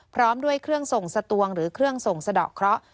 พร้อมด้วยเครื่องส่งสตวงหรือเครื่องส่งสะดอกเคราะห์